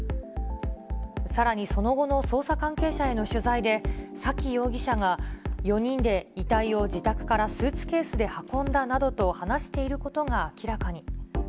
さらにその後の捜査関係者への取材で、沙喜容疑者が４人で遺体を自宅からスーツケースで運んだなどと話していることが明らかに。